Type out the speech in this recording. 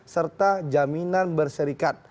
serta jaminan berserikat